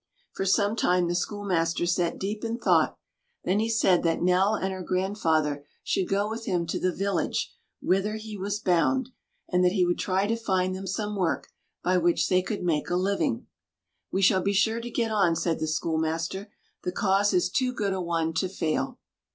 For some time the schoolmaster sat deep in thought; then he said that Nell and her grandfather should go with him to the village whither he was bound; and that he would try to find them some work by which they could make a living. "We shall be sure to get on," said the schoolmaster; "the cause is too good a one to fail."